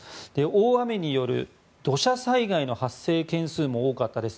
大雨による土砂災害の発生件数も多かったです。